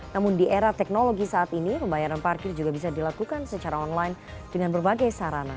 namun di era teknologi saat ini pembayaran parkir juga bisa dilakukan secara online dengan berbagai sarana